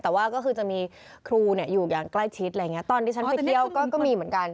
แต่ว่าก็คือจะมีครูเนี่ยอยู่อย่างใกล้ชิดอะไรอย่างเงี้ตอนที่ฉันไปเที่ยวก็มีเหมือนกัน